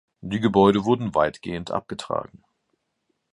Die Gebäude wurden weitgehend abgetragen.